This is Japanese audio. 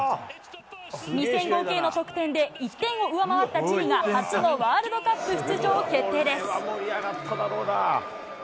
２戦合計の得点で１点を上回ったチリが、初のワールドカップ出場決定です。